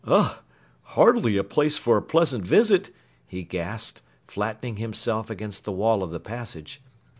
"Ugh! Hardly a place for a pleasant visit!" he gasped, flattening himself against the wall of the passage.